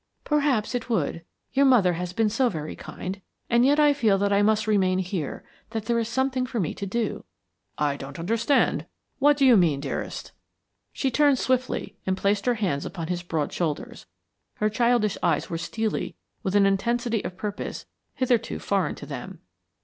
"Perhaps it would. Your mother has been so very kind, and yet I feel that I must remain here, that there is something for me to do." "I don't understand. What do you mean, dearest?" She turned swiftly and placed her hands upon his broad shoulders. Her childish eyes were steely with an intensity of purpose hitherto foreign to them.